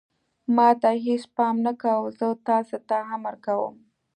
ما ته یې هېڅ پام نه کاوه، زه تاسې ته امر کوم.